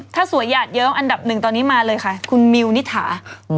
ถ้าสวยหยาดเยอะอันดับหนึ่งตอนนี้มาเลยค่ะคุณมิวนิถา